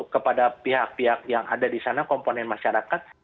kepada pihak pihak yang ada di sana komponen masyarakat